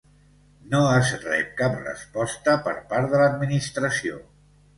No es rep cap resposta per part de l'Administració.